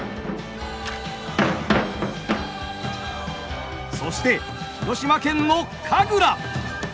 そして広島県の神楽。